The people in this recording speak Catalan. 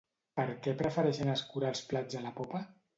Per què prefereixen escurar els plats a la popa?